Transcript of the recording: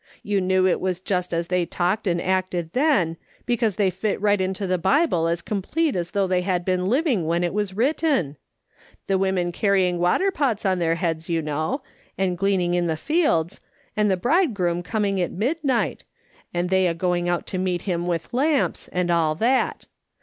You knew it was just as they talked and acted then, because they fit right into the IJible as complete as though they had been living when it was written. The women carry ing water pots on their heads, you know, and glean ing in the fields, and gatliering sticks for the fire, and wearing veils ; and the bridegroom coming at mid night, and they a going out to meet him with lamps, and all that.